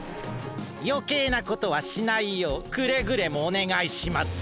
よけいなことはしないようくれぐれもおねがいしますよ。